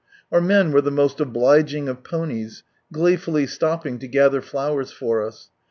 Our men were the most obliging of ponies, gleefully slopping to gather flowers for us.